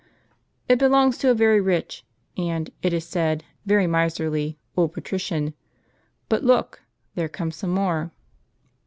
" It belongs to a very rich, and, it is said, very miserly old patrician. But look! there come some more."